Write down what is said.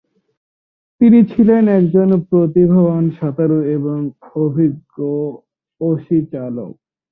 তিনি ছিলেন একজন প্রতিভাবান সাঁতারু এবং অভিজ্ঞ অসিচালক।